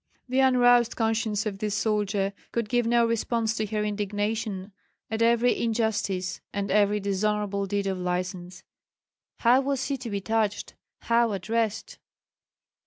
The unroused conscience of this soldier could give no response to her indignation at every injustice and every dishonorable deed of license. How was he to be touched, how addressed?